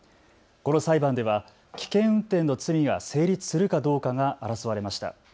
この裁判では危険運転の罪が成立するかどうかが争われました。